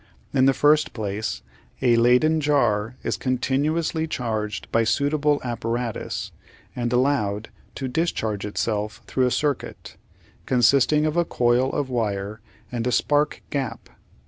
In the first place, a Leyden jar is continuously charged by suitable apparatus, and allowed to discharge itself through a circuit, consisting of a coil of wire and a spark gap.